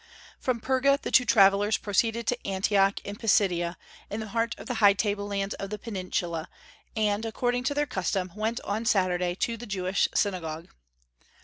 From Perga the two travellers proceeded to Antioch in Pisidia, in the heart of the high table lands of the Peninsula, and, according to their custom, went on Saturday to the Jewish synagogue.